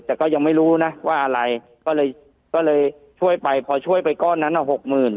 แต่ก็ยังไม่รู้นะว่าอะไรก็เลยก็เลยช่วยไปพอช่วยไปก้อนนั้นอ่ะหกหมื่น